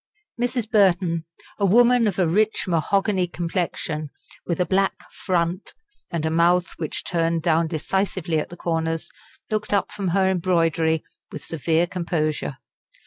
Mrs. Burton, a woman of a rich mahogany complexion, with a black "front," and a mouth which turned down decisively at the corners, looked up from her embroidery with severe composure.